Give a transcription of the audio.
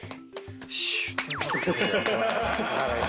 よし。